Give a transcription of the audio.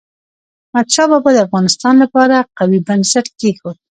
احمد شاه بابا د افغانستان لپاره قوي بنسټ کېښود.